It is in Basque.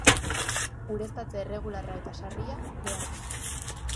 Ureztatze erregularra eta sarria behar du.